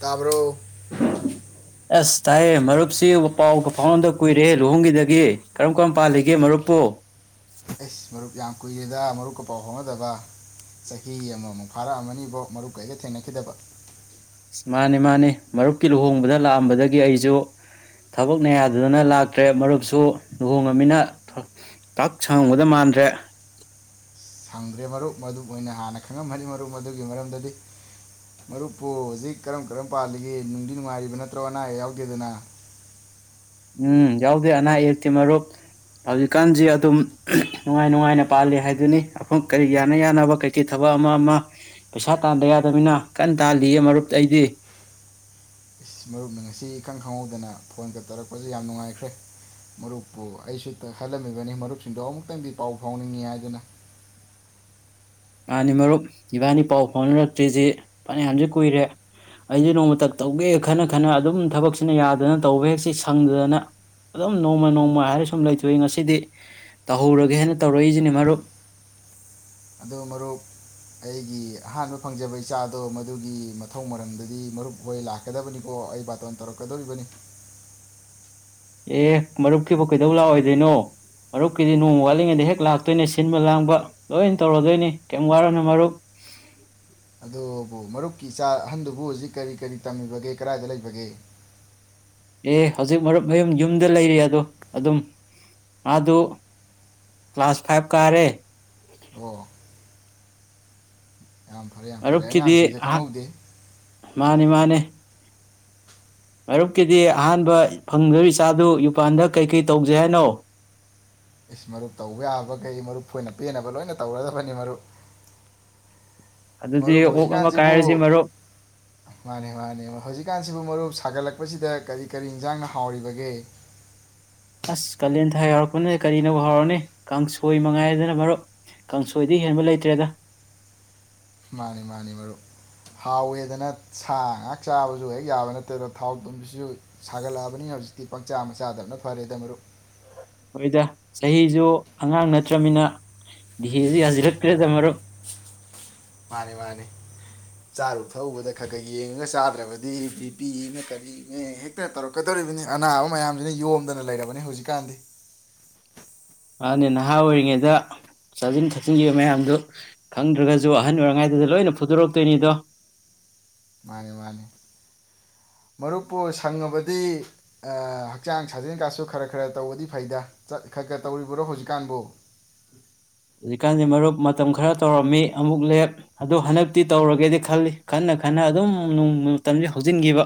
ꯇꯥꯕꯔꯣ ꯑꯁ ꯇꯥꯏꯌꯦ ꯃꯔꯨꯞꯁꯤ ꯄꯥꯎꯒ ꯐꯥꯎꯅꯗ ꯀꯨꯏꯔꯦ ꯂꯨꯍꯣꯡꯈꯤꯗꯒꯤ ꯀꯔꯝ ꯀꯔꯝ ꯄꯥꯜꯂꯤꯒꯦ ꯃꯔꯨꯞꯄꯨ ꯑꯁ ꯃꯔꯨꯞ ꯌꯥꯝ ꯀꯨꯏꯔꯦꯗ ꯃꯔꯨꯞꯀ ꯄꯥꯎ ꯐꯥꯎꯅꯗꯕ ꯆꯍꯤ ꯑꯃꯃꯨꯛ ꯐꯥꯔꯝꯃꯅꯤꯕꯣ ꯃꯔꯨꯞꯀ ꯑꯩꯒ ꯊꯦꯡꯅꯈꯤꯗꯕ ꯃꯟꯅꯦ ꯃꯟꯅꯦ ꯃꯔꯨꯞꯀꯤ ꯂꯨꯍꯣꯡꯕꯗ ꯂꯛꯑꯝꯕꯗꯒꯤ ꯑꯩꯁꯨ ꯊꯕꯛꯅ ꯌꯥꯗꯗꯅ ꯂꯛꯇꯔꯦ ꯃꯔꯨꯞꯁꯨ ꯂꯨꯍꯣꯡ ꯉꯅꯤꯅ ꯄꯥꯛ ꯁꯝꯂꯝꯗꯧ ꯃꯟꯗꯔꯦ ꯈꯪꯗꯦ ꯃꯔꯨꯞ ꯃꯔꯨꯞ ꯍꯣꯏꯅ ꯍꯥꯟꯅ ꯈꯪꯂꯝꯃꯅꯤ ꯃꯔꯨꯞ ꯑꯗꯨꯒꯤ ꯃꯔꯝꯗꯗꯤ ꯃꯔꯨꯞꯄꯨ ꯍꯧꯖꯤꯛ ꯀꯔꯝ ꯀꯔꯝ ꯄꯥꯜꯂꯤꯒꯦ ꯅꯨꯡꯗꯤ ꯅꯨꯡꯉꯥꯏꯔꯤꯕ ꯅꯠꯇꯔꯣ ꯑꯅꯥ ꯑꯌꯦꯛ ꯌꯥꯎꯗꯦꯗꯅ ꯎꯝ ꯌꯥꯎꯗꯦ ꯑꯅꯥ ꯑꯌꯦꯛꯇꯤ ꯃꯔꯨꯞ ꯍꯧꯖꯤꯛ ꯀꯥꯟꯁꯤ ꯑꯗꯨꯝ ꯅꯨꯡꯉꯥꯏ ꯅꯨꯡꯉꯥꯏꯅ ꯄꯥꯜꯂꯤ ꯍꯥꯏꯕꯗꯨꯅꯤ ꯑꯃꯨꯛ ꯀꯔꯤ ꯌꯥꯅ ꯌꯥꯅꯕ ꯀꯩꯀꯩ ꯊꯕꯛ ꯑꯃ ꯑꯃ ꯄꯩꯁꯥ ꯇꯥꯟꯗ ꯌꯥꯗꯕꯅꯤꯅ ꯀꯥꯟꯅ ꯇꯥꯜꯂꯤꯌꯦ ꯃꯔꯨꯞ ꯑꯩꯗꯤ ꯃꯔꯨꯞ ꯅ ꯉꯁꯤ ꯢꯈꯪ ꯈꯪꯍꯧꯗꯅ ꯐꯣꯟꯒ ꯇꯧꯔꯛꯄꯁꯦ ꯌꯥꯝ ꯅꯨꯡꯉꯥꯏꯈꯔꯦ ꯃꯔꯨꯞꯄꯨ ꯑꯩꯁꯨ ꯈꯜꯂꯝꯃꯤꯕꯅꯤ ꯃꯔꯨꯞꯁꯤꯡꯗꯣ ꯑꯃꯨꯛꯇꯪ ꯄꯥꯎ ꯐꯥꯎꯅꯤꯡꯉꯤ ꯍꯥꯏꯗꯅ [inaudible] ꯑꯗꯣ ꯃꯔꯨꯞ ꯑꯩꯒꯤ ꯑꯍꯥꯟꯕ ꯐꯪꯖꯕ ꯏꯆꯥꯗꯣ ꯃꯗꯨꯒꯤ ꯃꯊꯧ ꯃꯉꯝꯗꯗꯤ ꯃꯔꯨꯞꯍꯣꯏ ꯂꯛꯀꯗꯕꯅꯤꯀꯣ ꯑꯩ ꯕꯥꯇꯣꯟ ꯇꯧꯔꯛꯀꯗꯧꯔꯤꯕꯅꯤ ꯑꯦ ꯃꯔꯨꯞꯀꯤꯕꯨ ꯀꯩꯗꯧꯂꯛ ꯑꯣꯏꯗꯔꯤꯅꯣ ꯃꯔꯨꯞꯀꯤꯗꯤ ꯅꯣꯡꯃ ꯋꯥꯠꯂꯤꯉꯩꯗ ꯍꯦꯛ ꯂꯛ ꯇꯣꯏꯅꯦ ꯁꯤꯟꯕ ꯂꯥꯡꯕ ꯂꯣꯏ ꯇꯧꯔꯗꯣꯏꯅꯤ ꯀꯔꯤꯝ ꯋꯥꯔꯅꯨ ꯃꯔꯨꯞ ꯑꯗꯣꯕꯨ ꯃꯔꯨꯞꯀꯤ ꯏꯆꯥ ꯑꯍꯥꯟꯗꯨꯕꯨ ꯍꯧꯖꯤꯛ ꯀꯔꯤ ꯀꯔꯤ ꯇꯝꯂꯤꯕꯀꯦ ꯀꯗꯥꯏꯗ ꯂꯩꯕꯒꯦ ꯑꯦ ꯍꯧꯖꯤꯛ ꯃꯔꯨꯞ ꯃꯌꯨꯝ ꯌꯨꯝꯗ ꯂꯩꯔꯤ ꯑꯗꯣ ꯑꯗꯨꯝ ꯃꯗꯨ ꯀꯂꯥꯁ ꯐꯥꯏꯞ ꯀꯥꯔꯦ ꯑꯣ ꯌꯥꯝꯐꯔꯦ ꯌꯥꯝꯐꯔꯦ ꯑꯉꯥꯡꯁꯤꯡꯁꯦ ꯈꯪꯍꯧꯗꯦ ꯃꯥꯟꯅꯦ ꯃꯥꯟꯅꯦ ꯃꯔꯨꯞꯀꯤꯗꯤ ꯑꯍꯥꯟꯕ ꯐꯪꯕꯗꯣꯏ ꯏꯆꯥꯗꯣ ꯌꯨꯄꯥꯟꯗ ꯀꯩ ꯀꯩ ꯇꯧꯁꯦ ꯍꯥꯏꯅꯣ ꯑꯈꯣꯏꯅ ꯄꯦꯟꯅꯕ ꯂꯣꯏꯅ ꯇꯧꯔꯗꯕꯅꯦ ꯃꯔꯨꯞ ꯑꯗꯨꯗꯤ ꯃꯔꯨꯞ ꯑꯣꯛ ꯍꯧꯖꯤꯛ ꯑꯃ ꯀꯥꯟꯁꯤꯕꯨ ꯀꯥꯏꯔꯁꯤ ꯃꯔꯨꯞ ꯃꯥꯟꯅꯦ ꯃꯥꯟꯅꯦ ꯍꯧꯖꯤꯛ ꯀꯥꯟꯁꯤꯕꯨ ꯃꯔꯨꯞ ꯁꯥꯒꯠꯂꯛꯄꯁꯤꯗ ꯀꯔꯤ ꯀꯔꯤ ꯏꯪꯁꯥꯡꯅ ꯍꯥꯎꯔꯤꯕꯒꯦ ꯑꯁ ꯀꯥꯂꯦꯟ ꯊꯥ ꯌꯧꯔꯛꯄꯅꯦ ꯀꯩꯅꯕꯨ ꯍꯥꯎꯔꯨꯅꯤ ꯀꯥꯡꯁꯣꯏ ꯃꯉꯥꯏꯔꯦ ꯃꯔꯨꯞ ꯀꯥꯡꯁꯣꯏꯗꯩ ꯍꯦꯟꯕ ꯂꯩꯇꯔꯦꯗ ꯃꯥꯟꯅꯦ ꯃꯥꯟꯅꯦ ꯃꯔꯨꯞ ꯍꯥꯎꯋꯦꯗꯅ ꯁꯥ ꯉꯛ ꯆꯥꯕꯗꯨ ꯍꯦꯛ ꯌꯥꯕ ꯅꯠꯇꯦꯗꯣ ꯊꯥꯎ ꯊꯨꯝꯁꯤꯁꯨ ꯁꯥꯒꯠꯂꯛꯑꯕꯅꯤꯅ ꯍꯧꯖꯤꯛꯇꯤ ꯄꯪꯆꯥ ꯃꯆꯥꯗꯕꯅ ꯐꯔꯦꯗ ꯃꯔꯨꯞ ꯆꯨꯝꯃꯦ ꯏꯇꯥꯎ ꯆꯍꯤꯁꯨ ꯑꯉꯥꯡ ꯅꯠꯇꯔꯕꯅꯤꯅ ꯗꯤꯍꯦꯁꯦ ꯌꯥꯁꯤꯜꯂꯛꯇꯔꯦꯗ ꯃꯔꯨꯞ ꯃꯥꯟꯅꯦ ꯃꯥꯟꯅꯦ ꯆꯥꯔꯨ ꯊꯛꯎꯕꯗ ꯈꯔ ꯌꯦꯡꯉꯒ ꯆꯥꯗꯔꯕꯗꯤ ꯕꯤꯄꯤꯅꯦ ꯀꯔꯤꯅꯦꯍꯦꯛꯇ ꯇꯧꯔꯛ ꯀꯗꯧꯔꯤꯕꯅꯤ ꯑꯅꯥꯕ ꯃꯌꯥꯝꯁꯤꯅ ꯌꯣꯝꯗꯅ ꯂꯩꯔꯕꯅꯦ ꯍꯧꯖꯤꯛ ꯀꯥꯟꯁꯤ ꯃꯥꯟꯅꯦ ꯅꯍꯥ ꯑꯣꯏꯔꯤꯉꯩꯗ ꯆꯥ ꯁꯤꯟ ꯊꯛꯆꯤꯟꯈꯤꯕ ꯃꯌꯥꯝꯗꯣ ꯈꯪꯗꯔꯒꯁꯨ ꯑꯍꯜ ꯑꯣꯏꯔꯤꯉꯩꯗ ꯂꯣꯏꯅ ꯐꯨꯗꯣꯛꯂꯛꯀꯇꯣꯏꯅꯤꯗꯣ ꯃꯥꯟꯅꯦ ꯃꯥꯟꯅꯦ ꯃꯔꯨꯞꯄꯨ ꯁꯉꯕꯗꯤ ꯑ ꯍꯛꯆꯥꯡ ꯁꯥꯖꯦꯟꯁꯦꯀꯁꯨ ꯈꯔ ꯈꯔ ꯇꯧꯕꯗꯤ ꯆꯠ ꯐꯩꯗ ꯈꯔ ꯈꯔ ꯇꯧꯔꯤꯕꯣ ꯍꯧꯖꯤꯛꯄꯨ ꯍꯧꯖꯤꯛ ꯀꯥꯟꯁꯦ ꯃꯔꯨꯞ ꯃꯇꯝ ꯈꯔ ꯇꯧꯔꯝꯃꯤ ꯑꯃꯨꯛꯂꯦꯞ ꯑꯗꯣ ꯍꯟꯗꯛꯇꯤ ꯇꯧꯔꯒꯦꯅ ꯈꯜꯂꯤ ꯈꯟꯅ ꯈꯟꯅ ꯑꯗꯨꯝ ꯃꯇꯝꯁꯦ ꯍꯧꯖꯤꯟꯈꯤꯕ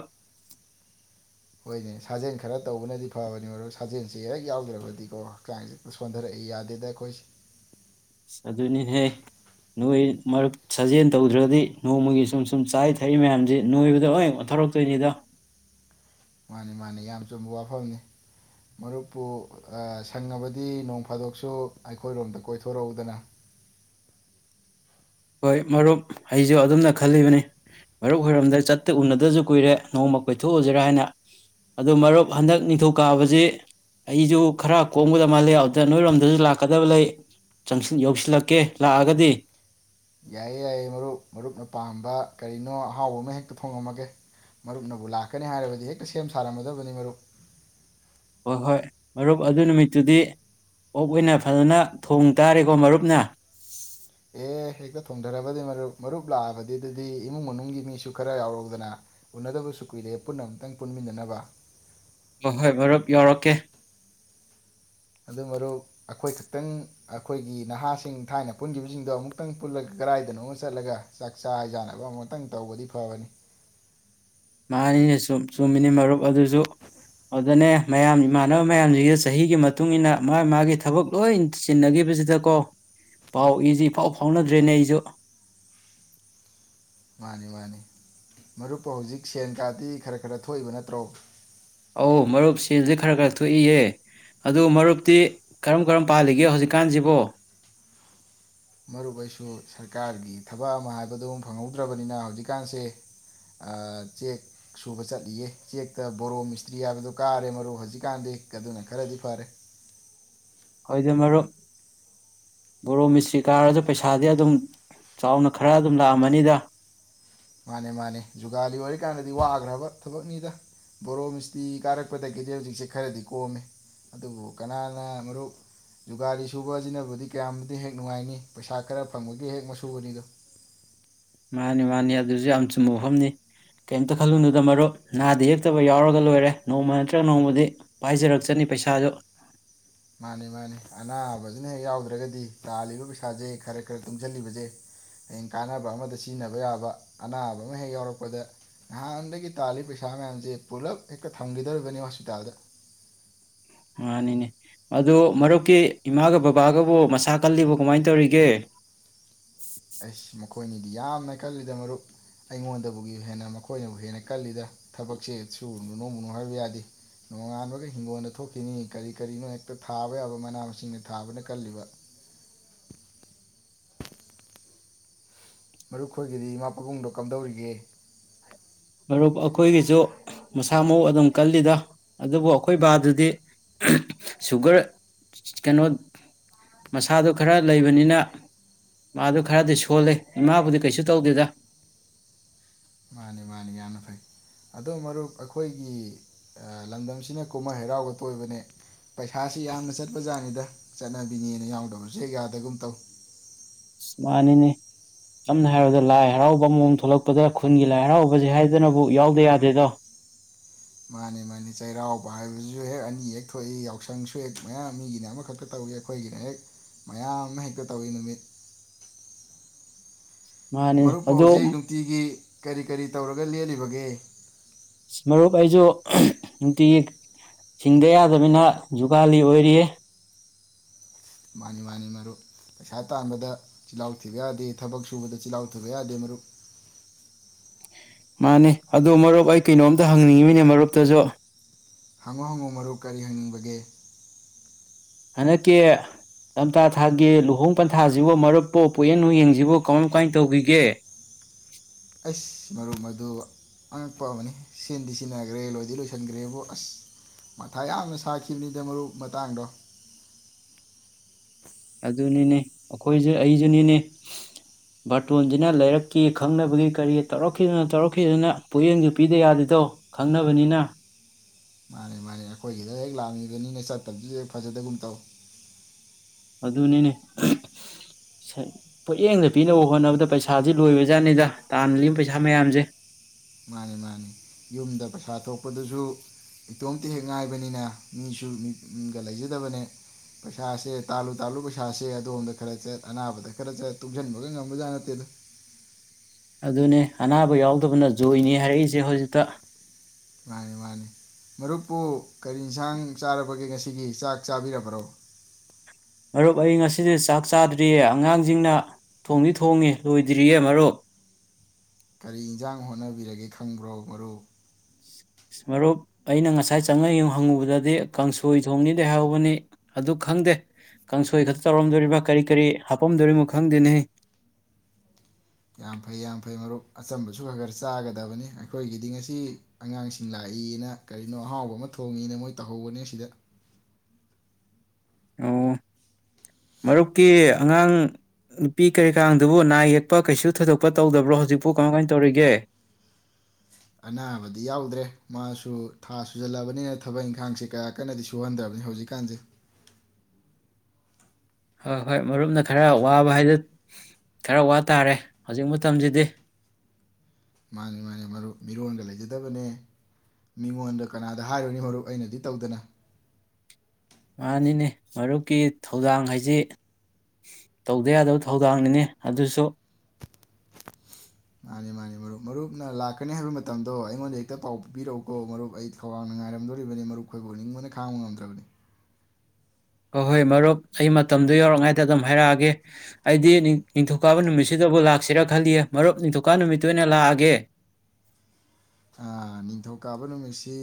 ꯍ‌ꯣꯏꯅ‌ꯦ ꯁꯥꯖ‌ꯦꯟꯈꯔꯥ ꯇꯩꯕꯅꯗꯤ ꯐꯥꯕꯅꯤ ꯃꯔꯨꯞ ꯁꯥꯖ‌ꯦꯁꯤ ꯍ‌ꯦꯛ ꯌꯥꯎꯗꯔ꯭ꯥꯕꯗꯤꯀ‌ꯣ ꯍꯛꯆꯥꯡꯁꯤ ꯍ‌ꯦꯛꯇ ꯁ‌ꯣꯟꯗꯔꯥꯛꯏ ꯌꯥꯗꯦꯗ ꯑꯩꯈꯣꯁ‌ꯤ꯫ ꯏꯤ! ꯑꯗꯨꯅꯤ ꯍ‌ꯦ ꯅꫭꯏ ꯃꯔꯨꯞ ꯁꯥꯖꯦꯜ ꯇꯧꯗꯔ꯭ꯥꯗꯤ ꯅꫭꯡꯃꯥꯒꯤ ꯁꯨꯝ-ꯁꯨꯝ ꯆꯥꯔꯤ ꯊꯛꯂꯤ ꯃꯌꯥꯝꯁꯤ ꯅꫭꯏꯕꯗ ꯂꫭꯏꯝ ꯑꫭꯟ ꯊꫭꯔꯛ ꯇꫭꯏꯅꯤꯗ꯫ ꯃꯥꯅꯤ-ꯃꯥꯅꯤ ꯌꯥꯝ ꯆꯨꯝꯕ ꯋꯥꯐꯝꯅꯤ ꯃꯔꯨꯞꯄꯨ ꯑꯥ ꯁꯪꯂꯥꯕꯗꯤ ꯅꫭꯡꯐꯥꯗꫭꯛꯁꯨ ꯑꯩꯈꫭꯏ ꯔꫭꯝꯗ ꯀꫭꯏꯊꫭꯔꯛ ꯎ-ꯗꯅ꯫ ꯍꫭꯏ ꯃꯔꯨꯞ ꯑꯩꯁꯨ ꯑꯗꯨꯝꯅ ꯈꯜꯂꯤꯕꯅꯤ ꯃꯔꯨꯞ ꯍꫭꯏꯔꫭꯝꯗ ꯆꯠꯇ ꯎ-ꯗꯁꯨ ꯀꯨꯏꯔ‌ꯦ ꯅ‌ꯣꯡꯃꯥ ꯀ‌ꯣꯏꯊ‌ꯣꯛ ꯎꯁꯤꯔꯅ ꯑꯗꯨ ꯃꯔꯨꯞ ꯈꯟꯗꯛ ꯅꯤꯡꯊꯧꯀꯥꯕ ꯁꯤ ꯑꯩꯁꯨ ꯈꯔ ꯀꫭꯝꯒꯗꯕ ꯃꯥꯜꯂꯤ ꯑꯗꯨꯗ ꯅꫭꯏꯔꫭꯝꯗ ꯂꯥꯛꯀꯥꯗꯕ ꯂꯩ ꯆꯪꯁꯤꯟ ꯌꯧꯁꯤꯟ ꯂꯥꯛꯀꯦ ꯂꯥꯛ ꯑ-ꯒ ꯗꯤ꯫ ꯌꯥꯏꯌꯦ-ꯌꯥꯏꯌꯦ ꯃꯔꯨꯞ ꯃꯔꯨꯞꯅ ꯄꯥꯝꯕ ꯀꯥꯔꯤꯅꫭ ꯑꯍꯥꯎꯕ ꯑꯃ ꯍꯦꯛꯇ ꯊꫭꯡꯉꯝ ꯃꯒꯦ ꯃꯔꯨꯞꯅꯕꯨ ꯂꯥꯛꯀꯅꯤ ꯍꯥꯏꯔꯕꯗꯤ ꯍꯦꯛꯇ ꯁꯦꯝ ꯁꯥꯔꯝꯒꯗꯕꯅꯤ ꯃꯔꯨꯞ꯫ ꯍꫭꯏ-ꯍꫭꯏ ꯃꯔꯨꯞ ꯑꯗꯨꯏ ꯅꯨꯃꯤꯠꯇꯨꯗꯤ ꯑꯣꯛ ꯑꫭꯏꯅ ꯐꯖꯅ ꯊꫭꯡꯇꯥꯔꯦ ꯃꯔꯨꯞꯅ꯫ ꯑꯦ ꯍꯦꯛꯇ ꯊꯣꯡꯊꯔꯕꯅꯤ ꯃꯔꯨꯞ ꯃꯔꯨꯞ ꯂꯥꯛꯑꯕꯗꯤ ꯃꯗꯨꯗꯤ ꯏꯃꯨꯡ ꯃꯅꯨꯡꯒꯤ ꯃꯤꯁꯨ ꯈꯔ ꯌꯥꯎꯔꯛ ꯎꯗꯅ ꯎꯅꯗꯕꯁꯨ ꯀꯨꯏꯔꯦ ꯄꯨꯟꯅ ꯑꯝꯇꯪ ꯄꯨꯟꯅ ꯃꯤꯟꯅꯅꯕ꯫ ꯍꫭ-ꯍꫭꯏ ꯃꯔꯨꯞ ꯌꯥꯎꯔꯛꯀꯦ꯫ ꯑꯗꯨ ꯃꯔꯨꯞ ꯑꯈ‌ꯣꯏ ꯈꯛꯇꯪ ꯑꯈ‌ꯣꯏꯒꯤ ꯅꯍꯥꯁꯤꯡ ꯊꯥꯏꯅ ꯄꯨꯟꯈꯤꯕꯁꯤꯡꯗ‌ꯣ ꯑꯃꯨꯛꯇ‌ꯪ ꯄꯨꯜꯂꯒꯥ ꯀꯔꯥꯏꯗꯅ‌ꯣꯃꯥ ꯆꯠꯂꯥꯒꯥ ꯆꯥꯛꯆꯥ ꯍꯩꯖꯥꯅꯕ ꯑꯃꯨꯛꯇꯪ ꯇꯧꯕꯗꯤ ꯐꯥꯕꯅꯤ꯫ ꯃꯥꯅꯤꯅ‌ꯦ ꯆꯨꯝ- ꯆꯨꯝꯃꯤꯅ‌ꯦ ꯃꯥꯔꯨꯞ ꯑꯗꯨꯁꯨ ꯑꯗꯅ‌ꯦ ꯃꯌꯥꯝ ꯏꯃꯥꯟꯅꯕ ꯃꯌꯥꯁꯤꯒ ꯆꯥꯍꯤꯒꯤ ꯃꯥꯇꯨꯡ ꯏꯟꯅꯥ ꯃꯥ-ꯃꯥꯒꯤ ꯊꯕꯛ ꯆꯤꯟꯅꯒꯤꯕꯁꯤꯗꯀ‌ꯣ ꯄꯧ-ꯏ‌ꯁꯤ ꯏꯐꯥꯎ ꯐꯥꯎꯗꯔ꯭ꯦꯅ‌ꯦ ꯑꯩꯁꯨ꯫ ꯃꯥꯟꯅꯤ ꯃꯥꯟꯅꯤ ꯃꯔꯨꯞꯄꯨ ꯍꯧꯖꯤꯛ ꯁ‌ꯦꯜꯀꯥꯗꯤ ꯈꯔꯥ- ꯈꯔꯥ ꯊ‌ꯣꯛꯏꯕ ꯅꯠꯇꯔ‌ꯣ꯫ ꯑꯧ‌ ꯃꯔꯨꯞ ꯁ‌ꯦꯜꯗꯤ ꯈꯔꯥ -ꯈꯔꯥ ꯊ‌ꯣꯛꯏꯌ‌ꯦ ꯑꯗꯨ ꯃꯔꯨꯞꯇꯤ ꯀꯔꯝ- ꯀꯔꯝ ꯄꯥꯜꯂꯤꯒ‌ꯦ ꯍ‌ꯧꯖꯤꯛꯀꯥꯟꯁꯤꯕ‌ꯣ꯫ ꯃꯔꯨꯞ ꯑꯩꯁꯨ ꯁꯔꯀꯥꯔꯒꯤ ꯊꯕꯛ ꯑꯃꯥ ꯍꯥꯏꯕꯗ‌ꯣ ꯐꯪꯍꯧꯗꯔ꯭ꯥꯕꯅꯤꯅ ꯍꯧꯖꯤꯛꯀꯥꯟꯁ‌ꯦ ꯑ-ꯑ ꯆ‌ꯦꯛ ꯁꯨꯕ ꯆꯠꯂꯤꯌ‌ꯦ ꯆ‌ꯦꯛꯇ ꯕ‌ꯣꯔ‌ꯣ ꯃꯤꯁꯇꯔ꯭ꯤ ꯍꯥꯏꯕꯗ‌ꯣ ꯀꯥꯔ‌ꯦ ꯃꯔꯨꯞ ꯍꯧꯖꯤꯛꯀꯥꯟꯗꯤ ꯑꯗꯨꯅ ꯈꯔꯥꯗꯤ ꯐꯔ‌ꯦ꯫ ꯍ‌ꯣꯏꯗꯥ ꯃꯔꯨꯞ ꯕ‌ꯣꯔ‌ꯣ ꯃꯤꯁꯇꯔ꯭ꯤ ꯀꯥꯔꯥꯁꯨ ꯄ‌ꯩꯁꯥꯗꯤ ꯑ‌ꯗꯨꯝ ꯆꯥꯎꯅ ꯈꯔꯥ ꯑꯗꯨꯝ ꯂꯥꯛꯑꯝꯃꯅꯤꯗ꯫ ꯃꯥꯟꯅꯤ- ꯃꯥꯟꯅꯤ ꯖꯨꯒꯥꯂꯤ ꯑꯣꯏꯔꯤꯀꯥꯟꯗꯗꯤ ꯋꯒꯔ꯭ꯥꯕ ꯊꯕꯛ ꯅꯤꯗꯥ ꯕ‌ꯣꯔ‌ꯣ ꯃꯤꯁꯇꯔ꯭ꯤ ꯕ‌ꯣꯔ‌ꯣ ꯃꯤꯁꯇꯔ꯭ꯤ ꯀꯥꯔꯛꯄꯗꯒꯤꯗꯤ ꯍꯧꯖꯤꯛꯁ‌ꯦ ꯈꯔꯥꯗꯤ ꯀ‌ꯣꯝꯃ‌ꯦ ꯑꯗꯨꯕꯨ ꯀꯅꯥꯅ ꯃꯔꯨꯞ ꯖꯨꯒꯥꯂꯤ ꯁꯨꯕꯁꯤꯕꯁꯤꯅꯕꯨꯗꯤ ꯀꯌꯥꯝꯗꯤ ꯍ‌ꯦꯛ ꯅꯨꯡꯉꯥꯏꯅꯤ ꯄꯩꯁꯥ ꯈꯔꯥ ꯐ‌ꯪꯕꯒꯤ ꯍ‌ꯦꯛ ꯃꯁꯨꯕꯅꯤꯗ‌ꯣ꯫ ꯃꯥꯟꯅꯤ- ꯃꯥꯟꯅꯤ ꯑꯗꯨꯁꯨ ꯌꯥꯝ ꯆꯨꯝꯕ ꯋꯥꯐꯝꯅꯤ ꯀ‌ꯦꯝꯇ ꯈꯜꯂꯨꯅꯨꯗ ꯃꯔꯨꯞ ꯅꯥꯗ- ꯌ‌ꯦꯛꯇꯕ ꯌꯥꯎꯔꯥꯒ‌ ꯂ‌ꯣꯏꯔ‌ꯦ ꯅ‌ꯣꯡꯃꯥ ꯅꯠꯇꯔ꯭ꯥ ꯅ‌ꯣꯡꯃꯥꯗꯤ ꯄꯥꯏꯖꯔꯛꯆꯅꯤ ꯄꯩꯁꯥꯁꯨ꯫ ꯃꯥꯟꯅꯤ ꯃꯥꯟꯅꯤ ꯑꯅꯥꯕꯁꯤꯅ ꯍ‌ꯦꯛ ꯌꯥꯎꯗꯔ꯭ꯥꯒꯗꯤ ꯇꯥꯜꯂꯤꯕ ꯄꯩꯁꯥꯖ‍ꯦ ꯈꯔꯥ- ꯈꯔꯥ ꯇꯨꯡꯖꯤꯜꯂꯤꯕꯖ‌ꯦ ꯍꯌ‌ꯦꯡ ꯀꯥꯟꯅꯕ ꯑꯃꯗ ꯁꯤꯖꯤꯟꯅꯕ ꯌꯥꯕ ꯑꯅꯥꯕ ꯑꯃ ꯍ‌ꯦꯛ ꯌꯥꯎꯔꯥꯛꯄꯗ ꯅꯍꯟꯗꯒꯤ ꯊꯥꯜꯂꯤꯕ ꯄꯩꯁꯥ ꯃꯌꯥꯝꯖ‌ꯦ ꯄꯨꯂꯞ ꯍꯦꯛꯇ ꯊꯝꯒꯗꯧꯔꯤꯕꯅꯤ ꯍ‌ꯣꯁꯄꯤꯇꯥꯜꯗ꯫ ꯃꯥꯟꯅꯤꯅ‌ꯦ ꯑꯗꯨ ꯃꯔꯨꯞꯀꯤ ꯏꯃꯥꯒ ꯕꯥꯕꯥꯒꯕꯨ ꯃꯁꯥ ꯀꯜꯂꯤꯕ‌ꯣ ꯀꯃꯥꯟ ꯇꯧꯔꯤꯒ‌ꯦ꯫ ꯑꯥꯏꯁ ꯃꯈ‌ꯣꯛ꯫ ꯃ‌ꯣꯏꯅꯤꯗꯤ ꯌꯥꯝꯅ ꯀꯜꯂꯤꯗ ꯃꯔꯨꯞ ꯑꯩꯉꯣꯟꯗꯥꯕꯨꯒꯤ ꯍ‌ꯦꯟꯅ ꯃꯈ‌ꯣꯏꯅꯕꯨ ꯍꯦꯟꯅ ꯀꯜꯂꯤꯗ ꯊꯕꯛꯁ‌ꯦ ꯁꯨꯔꯨꯅꯨ ꯅ‌ꯣꯃꯨꯅꯨ‌ ꯍꯥꯏꯕ ꯌꯥꯗ‌ꯦ ꯅ‌ꯣꯡꯉꯥꯟꯕꯒ ꯍꯤꯡꯒ‌ꯣꯟꯗ ꯊ‌ꯣꯛꯈꯤꯅꯤ ꯀꯔꯤ ꯀꯔꯤꯅ‌ꯣ ꯍ‌ꯦꯛꯇ ꯊꯥꯕꯌꯥꯕ ꯃꯥꯅ- ꯃꯁꯤꯡ ꯊꯥꯕꯅ ꯀꯜꯂꯤꯕ꯫ ꯃꯔꯨꯞ ꯈ‌ꯣꯏꯒꯤꯗꯤ ꯏꯃꯥ-ꯄꯥꯕꯨꯡꯗ‌ꯣ ꯀꯝꯗꯧꯔꯤꯒ‌ꯦ꯫ ꯃꯔꯨꯞ ꯑꯈ‌ꯣꯏꯒꯤꯁꯨ ꯃꯁꯥ -ꯃꯥꯎ ꯑꯗꯨꯝ ꯀꯜꯂꯤꯗ ꯑꯗꯨꯕꯨ ꯑꯩ ꯈ‌ꯣꯏ ꯕꯥꯗꯨꯗꯤ ꯑ-ꯑ ꯁꯨꯒꯔ ꯀꯩꯅ‌ꯣꯠ ꯃꯁꯥꯗꯨ ꯈꯔꯥ ꯂꯩꯕꯅꯤꯅ ꯃꯥꯗꯨ ꯈꯔꯥꯗꯤ ꯁ‌ꯣꯜꯂꯤ ꯏꯃꯥꯕꯨꯗꯤ ꯀꯩꯁꯨ ꯇꯩꯗ‌ꯦꯗ꯫ ꯃꯥꯟꯅꯤ-ꯃꯥꯟꯅꯤ ꯌꯥꯝꯅ‌ ꯐꯩ ꯑꯗꯨ ꯃꫪꯨꯞ ꯑꯈꫭꯏꯒꯤ ꯑ-ꯂꯝꯗꯝ ꯁꯤꯅ ꯀꯨꯝꯍꯩ ꯍꯔꯥꯎꯕ ꯇꫭꯏꯕꯅꯦ ꯄꯩꯁꯥꯁꯤ ꯌꯥꯝꯅ‌ ꯆꯠꯄꯖꯥꯅꯤꯗ ꯆꯠꯅꯕꯤꯅꯦꯗ ꯌꯥꯎꯗꯕ ꯍꯦꯛ-ꯑ ꯌꯥꯗꯕꯒꯨꯝ ꯇꯧ꯫ ꯁꯤ ꯃꯥꯟꯅꯤꯅꯦ ꯁꯝꯅ ꯍꯥꯏꯔꯕꯗ ꯂꯥꯏ ꯍꯔꯥꯎꯕ ꯑꯃꯨꯛ ꯊꫭꯔꯛꯄꯗ ꯈꯨꯟꯒꯤ ꯂꯥꯏ ꯍꯔꯥꯎꯕꯁꯤ ꯍꯥꯏꯗꯅꯕꯨ ꯌꯥꯎꯗ ꯌꯥꯗꯦꯗ꯫ ꯃꯥꯟꯅꯤ-ꯃꯥꯟꯅꯤ ꯆꯩꯔꯥꯎꯕ ꯍꯥꯏꯕꯁꯤꯁꯨ ꯍꯦꯛ ꯑꯅꯤ ꯍꯦꯛ ꯊꫭꯛꯏ ꯌꯥꯎꯁꯪ ꯍꯦꯛ-ꯑ ꯃꯌꯥꯝ ꯃꯤꯒꯤꯅ ꯑꯃ ꯈꯛꯇꯪ ꯇꯧꯏ ꯑꯈꫭꯏꯒꯤꯅ‌ ꯍꯦꯛ ꯃꯌꯥꯝ ꯑꯃ ꯍꯦꯛꯇ ꯇꯧꯏ ꯅꯨꯃꯤꯠ꯫ ꯃꯥꯅꯤ ꯃꯔꯨꯞꯄꯨ ꯑꯗꯣ ꯍꯧꯖꯤꯛ ꯅꯨꯡꯇꯤꯒꯤ꯫ ꯀꯔꯤ-ꯀꯔꯤ ꯇꯧꯔꯒ‌ ꯂꯦꯜꯂꯤꯕꯒꯦ꯫ ꯁꯤ ꯃꯔꯨꯞ ꯑꯩꯁꯨ ꯑꯍꯝ‌ ꯅꯨꯡꯇꯤꯒꯤ ꯁꯤꯡꯗ ꯌꯥꯗꯕꯅꯤꯅ ꯖꫭꯒꯥꯂꯤ ꯑꫭꯏꯔꯤꯌꯦ꯫ ꯃꯥꯟꯅꯤ -ꯃꯥꯟꯅꯤ ꯃꯔꯨꯞ ꯄꯩꯁꯥ ꯇꯥꯟꯕꯗ ꯆꯤꯜꯍꯥꯎ ꯊꯤꯕ ꯌꯥꯗꯦ ꯊꯕꯛ ꯁꯨꯕꯗ‌ ꯆꯤꯜꯍꯥꯎ ꯊꯤꯕ ꯌꯥꯗꯦ ꯃꯔꯨꯞ꯫ ꯃꯥꯟꯅꯤ ꯑꯗꯨ ꯃꯔꯨꯞ ꯑꯩ ꯀꯩꯅꫭꯝꯇ ꯍꯪꯅꯤꯡꯏꯝꯃꯤꯅꯦ ꯃꯔꯨꯞꯇꯁꯨ꯫ ꯍꯪꯉꫭ-ꯍꯪꯉꫭ ꯃꯔꯨꯞ ꯀꯔꯤ ꯍꯪꯅꯤꯡꯕꯒꯦ꯫ ꯍꯟꯗꯛꯀꯤ ꯂꯝꯇꯥ ꯊꯥꯒꯤ ꯂꫭꯍꫭꯡ ꯄꯟꯊꯥꯁꯤꯕꯨ ꯃꯔꯨꯞꯄꯨ ꯄꫭꯌꯦꯟ ꯅꫭꯡꯌꯦ ꯁꯤꯕꯨ ꯀꯋꯥꯏ-ꯀꯋꯥꯏ ꯇꯧꯕꯤꯒꯦ꯫ ꯑꯁ! ꯃꯔꯨꯞ ꯑꯗꯨ ꯑꯉꯛꯄ ꯑꯃꯅꯤ ꯁꯤꯟꯗꯤ ꯁꯤꯅꯒꯔꯦ ꯂꫭꯏꯗꯤ ꯂꫭꯏꯁꯤꯟ ꯒꯔꯦꯕꯨ ꯑꯁ ꯃꯠꯊꯥ‌ ꯌꯥꯝꯅ ꯁꯥꯈꯤꯕꯅꯤꯗ ꯃꯔꯨꯞ ꯃꯇꯥꯡꯗꫭ꯫ ꯑꯗꯨꯅꯤꯅꯦ ꯑꯈꫭꯏꯁꯨ ꯑꯩꯖꯨꯅꯤꯅꯦ ꯕꯥꯔꯇꫭꯟꯁꯤꯅ ꯂꯩꯔꯛꯀꯤ ꯈꯪꯅꯕꯒꯤ ꯀꯔꯤꯒꯤ ꯇꯧꯔꯛ ꯈꯤꯕꯖꯤꯅ ꯇꯧꯔꯛ ꯈꯤꯕꯖꯤꯅ ꯄꫭꯌꯦꯡꯗꯨ ꯄꯤꯗ ꯌꯥꯗꯇꯧ ꯈꯪꯅꯕꯅꯤꯅ꯫ ꯅ‌ꯦꯃꯥꯅ‌ꯦ ꯑꯈꯣꯏꯒꯤꯗ ꯍ‌ꯦꯛ ꯂꯥꯛꯑꯝꯃꯤꯕꯅꯤꯅ ꯆꯠꯇꯕꯗꯨꯗ ꯍ‌ꯦꯛ ꯐꯖꯗꯒꯨꯝꯇꯧ꯫ ꯑꯗꯨꯅꯤꯅ‌ꯦ [unintelligible] ꯁꯠ ꯄ‌ꯣꯌ‌ꯦꯡꯗ ꯄꯤꯅꯕ ꯍ‌ꯣꯠꯅꯕꯗ ꯄꯩꯁꯥꯁꯤ ꯂꫭꯏꯕ ꯖꯥꯠꯅꯤꯗ ꯇꯥꯜꯂꯤꯕ ꯄꯩꯁꯥ ꯃꯌꯥꯝꯖ‌ꯦ꯫ ꯃꯥꯅꯤ- ꯃꯥꯅꯤ ꯌꯨꯝꯗ ꯄꯩꯁꯥ ꯊꫭꯛꯄꯗꯨꯁꯨ ꯏꯇꫭꯝꯇ ꯍ‌ꯦꯛ ꯉꯥꯏꯕꯅꯤꯅ ꯃꯤꯁꯨ ꯃꯤ-ꯃꯤꯒ ꯂꯩꯖꯗꯕꯅ‌ꯦ ꯄꯩꯁꯥꯁ‌ꯦ ꯇꯥꯜꯂꯨ- ꯇꯥꯜꯂꯨ ꯄꯩꯁꯥꯁ‌ꯦ ꯑꯗꫭꯝꯗ ꯈꯔ ꯆꯠ ꯑꯅꯕꯗ ꯈꯔ ꯆꯠ ꯇꯨꯡꯖꯤꯟꯕꯒ ꯉꯝꯕꯖꯥꯠ ꯅꯠꯇ‌ꯦꯗ꯫ ꯑꯗꯨꯅ‌ꯦ ꯑꯅꯥꯕ ꯌꯥꯎꯇꯕꯅ ꯖꫭꯏꯅꯩ ꯍꯥꯏꯔꯤꯖ‌ꯦ ꯍꯧꯖꯤꯛꯇ꯫ ꯃꯥꯅꯤ-ꯃꯥꯅꯤ꯫ ꯃꯔꯨꯞꯄꯨ ꯀꯔꯤ ꯏꯟꯁꯥꯡ ꯆꯥꯔꯕꯒ‌ꯦ ꯉꯥꯁꯤꯒꯤ ꯆꯥꯛ ꯆꯥꯕꯤꯔꯕꯔ꯭ꯣ꯫ ꯔꯨꯞ ꯑꯩ ꯉꯁꯤꯗꯤ ꯆꯥꯛꯆꯗ꯭ꯔꯤꯌ‌ꯦ ꯑꯉꯥꯡꯁꯤꯡꯅ ꯊꫭꯡꯗꯤ ꯊꫭꯡꯉꯥ ꯂꫭꯏꯗꯔ꯭ꯤꯌ‌ꯦ ꯃꯔꯨꯞ ꯫ ꯀꯔꯤ ꯏꯟꯁꯥꯡ ꯍꫭꯠꯅꯕꯤꯔꯒ‌ꯦ ꯈꯪꯕꯔ꯭ꯣ ꯃꯔꯨꯞ꯫ ꯑꯩ ꯆꯪꯌ‌ꯦꯡ ꯍꯪꯉꯨꯕꯗꯗꯤ ꯀꯥꯡꯁꫭꯏ ꯊꫭꯡꯅ‌ꯦꯗꯤ ꯍꯥꯏꯍꯧꯕꯅꯤ ꯑꯗꯨ ꯈꯪꯗ‌ꯦ ꯀꯥꯡꯁꫭꯏꯈꯠꯇ ꯇꯧꯔꯝꯗꫭꯔꯤꯕꯔ꯭ꯥ ꯀꯔꯤ- ꯀꯔꯤ ꯍꯥꯞꯄꯝ ꯗꫭꯔꯤꯃꫭ ꯈꯪꯗ‌ꯦꯅꯍ‌ꯦ꯫ ꯌꯥꯝꯐꯩ- ꯌꯥꯝꯐꯩ ꯃꯔꯨꯞ ꯑꯆꯝꯕꯁꯨ ꯈꯔ- ꯈꯔ ꯆꯥꯒꯗꯕꯅꯤ ꯑꯈꯣꯏꯒꯤꯗꯤ ꯉꯁꯤ ꯑꯉꯥꯡꯁꯤꯡ ꯂꯥꯛꯏꯅ ꯀꯔꯤꯅꫭ ꯑꯍꯥꯎꯕ ꯑꯃ ꯊꫭꯡꯉꯤꯅ ꯃꫭꯏ ꯊꯧꯍꯧꯕꯅꯤ ꯑꯁꯤꯗ꯫ ꯑꯣ ꯃꯔꯨꯞꯀꯤ ꯑꯉꯥꯡ ꯅꯨꯄꯤ ꯀꯔꯤ ꯀꯔꯥꯡꯗꯨꯕꯨ ꯅꯌ‌ꯦꯛꯄ ꯀꯩꯁꯨ ꯊꫭꯏꯗꫭꯛꯄ ꯇꯧꯗꯕꯔ꯭ꯣ ꯍꯧꯖꯤꯛꯄꯨ ꯀꯃꯥꯟ- ꯀꯃꯥꯟ ꯇꯧꯔꯤꯒ‌ꯦ꯫ ꯑꯅꯥꯕꯗꯤ ꯌꯥꯎꯗꯔ꯭ꯦ ꯃꯥꯁꯨ ꯊꯥ ꯁꯨꯖꯤꯟꯂꯛ ꯑꯕꯅꯤꯅ ꯊꯕꯛ ꯏꯪꯈꯥꯡꯁꯤ ꯀꯌꯥꯀꯟꯅꯗꯤ ꯁꯨꯍꯟꯗꯔ꯭ꯥꯕꯅꯤ꯫ ꯍꫭꯏ- ꯍꫭꯏ ꯃꯔꯨꯞꯅ ꯈꯔ ꯋꯕ ꯍꯥꯏꯗꯨ ꯈꯔ ꯋꯥꯇꯥꯔ‌ꯦ ꯍꯧꯖꯤꯛ ꯃꯇꯝꯁꯤꯗꯤ꯫ ꯃꯟꯅꯤ ꯃꯟꯅꯤ ꯃꯔꯨꯞ ꯃꯤꯔꯣꯜꯒ ꯂꯩꯖꯗꯕꯅꯦ ꯃꯤꯉꯣꯟꯗ ꯀꯅꯥꯗ ꯍꯥꯢꯔꯨꯅꯤ ꯃꯔꯨꯞ ꯑꯩꯅꯗꯤ ꯇꯧꯗꯅ꯫ ꯃꯥꯟꯅꯤꯅꯦ ꯃꯔꯨꯞꯀꯤ ꯊꯧꯗꯥꯡꯍꯥꯢꯖꯤ ꯇꯧꯗ ꯌꯥꯗꯕ ꯊꯧꯗꯥꯡꯅꯤꯅꯦ ꯑꯗꯨꯁꯨ꯫ ꯃꯥꯟꯅꯤ ꯃꯥꯟꯅꯤ ꯃꯔꯨꯞ ꯃꯔꯨꯞꯅ ꯂꯥꯛꯀꯅꯤ ꯍꯥꯢꯕ ꯃꯇꯝꯗꯣ ꯑꯩꯉꯣꯟꯗ ꯍꯦꯛꯇ ꯄꯥꯎ ꯄꯤꯕꯤꯔꯛꯎꯀꯣ ꯃꯔꯨꯞ ꯑꯩ ꯈꯧꯔꯥꯡꯅ ꯉꯥꯢꯔꯝꯗꯧꯔꯤꯕꯅꯤ ꯃꯔꯨꯞꯈꯣꯢꯕꯨ ꯎꯅꯤꯡꯕꯅ ꯈꯥꯡꯕ ꯉꯝꯗ꯭ꯔꯕꯅꯤ꯫ ꯍꯣ ꯍꯣꯢ ꯃꯔꯨꯞ ꯑꯩ ꯃꯇꯝꯗꯣ ꯌꯧꯔꯛꯉꯩꯗ ꯑꯗꯨꯝ ꯍꯥꯢꯔꯛꯑꯒꯦ ꯑꯩꯗꯤ ꯅꯤꯡ ꯅꯤꯡꯊꯧꯀꯥꯕ ꯅꯨꯃꯤꯠꯇꯕꯨ ꯂꯥꯛꯁꯤꯔ ꯈꯜꯂꯤꯌꯦ ꯃꯔꯨꯞ ꯅꯤꯡꯊꯧꯀꯥꯕ ꯅꯨꯃꯤꯠꯇ ꯑꯣꯢꯅ ꯂꯥꯛꯑꯒꯦ꯫ ꯑꯥ ꯅꯤꯡꯊꯧꯀꯥꯕ ꯅꯨꯃꯤꯠꯁꯤ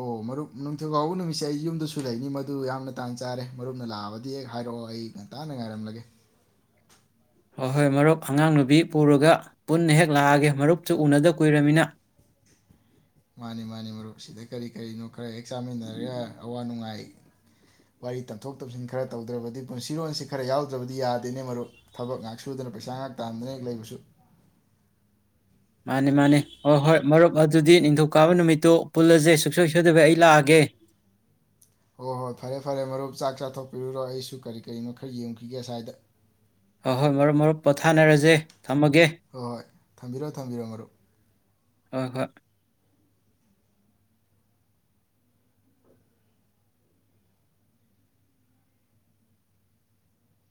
ꯑꯣ ꯃꯔꯨꯞ ꯅꯤꯡꯊꯧꯀꯥꯕ ꯅꯨꯃꯤꯠꯁꯤ ꯑꯩ ꯌꯨꯝꯗꯁꯨ ꯂꯩꯅꯤ ꯃꯗꯨ ꯌꯥꯝꯅ ꯇꯥꯟ ꯆꯥꯔꯦ ꯃꯔꯨꯞꯅ ꯂꯥꯛꯑꯕꯗꯤ ꯍꯦꯛ ꯍꯥꯢꯔꯛꯑꯣ ꯑꯩ ꯉꯟꯇꯥꯅ ꯉꯥꯢꯔꯝꯂꯒꯦ꯫ ꯑꯣ ꯍꯣꯢ ꯃꯔꯨꯞ ꯑꯉꯥꯡ ꯅꯨꯄꯤ ꯄꯨꯔꯒ ꯄꯨꯟꯅ ꯍꯦꯛ ꯂꯥꯛꯑꯒꯦ ꯃꯔꯨꯞꯁꯨ ꯎꯟꯅꯗꯕ ꯀꯨꯢꯔꯕꯅꯤꯅ ꯃꯥꯟꯅꯤ ꯃꯥꯟꯅꯤ ꯃꯔꯨꯞ ꯁꯤꯗ ꯀꯔꯤ ꯀꯔꯤꯅꯣ ꯍꯣꯢ ꯍꯦꯛ ꯆꯥꯃꯤꯟꯅꯔꯒ ꯑꯋꯥ ꯅꯨꯡꯉꯥꯢ ꯋꯥꯔꯤ ꯇꯝꯊꯣꯛ ꯇꯝꯖꯤꯟ ꯈꯔ ꯇꯧꯗ꯭ꯔꯕꯗꯤ ꯄꯨꯟꯁꯤꯔꯣꯜꯁꯤ ꯈꯔ ꯌꯥꯎꯗ꯭ꯔꯕꯗꯤ ꯌꯥꯗꯦꯅꯦ ꯃꯔꯨꯞ ꯊꯕꯛ ꯉꯥꯛ ꯁꯨꯗꯨꯅ ꯄꯩꯁꯥ ꯉꯥꯛ ꯇꯥꯟꯗꯨꯅ ꯍꯦꯛ ꯂꯩꯕꯁꯨ ꯃꯥꯟꯅꯤ ꯃꯥꯟꯅꯤ ꯍꯣ ꯍꯣꯢ ꯃꯔꯨꯞ ꯑꯗꯨꯗꯤ ꯅꯤꯡꯊꯧꯀꯥꯕ ꯅꯨꯃꯤꯠꯇꯨ ꯄꯨꯜꯂꯖꯦ ꯁꯨꯡꯁꯣꯢ ꯁꯣꯢꯗꯕꯤ ꯑꯩ ꯂꯥꯛꯑꯒꯦ ꯍꯣ ꯍꯣꯢ ꯐꯔꯦ ꯐꯔꯦ ꯃꯔꯨꯞ ꯆꯥꯛ ꯆꯥꯊꯣꯛꯄꯤꯔꯨꯔꯣ ꯑꯩꯁꯨ ꯀꯔꯤ ꯀꯔꯤꯅꯣ ꯈꯔ ꯌꯦꯡꯉꯨꯈꯤꯒꯦ ꯑꯁꯥꯢꯗ ꯑ ꯍꯣꯢ ꯃꯔꯨꯞ ꯃꯔꯨꯞ ꯄꯣꯊꯥꯅꯔꯖꯦ ꯊꯝꯃꯒꯦ ꯍꯣꯏ ꯍꯣꯏ ꯊꯝꯕꯤꯔꯣ ꯊꯝꯕꯤꯔꯣ ꯃꯔꯨꯞ ꯑꯣ ꯍꯣꯢ